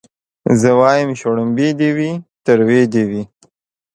زه وايم شلومبې دي وي تروې دي وي